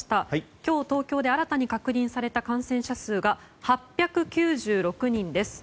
今日、東京で新たに確認された感染者数が８９６人です。